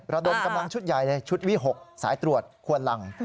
ระดมกำลังชุดใหญ่เลยชุดวิหกสายตรวจควนลัง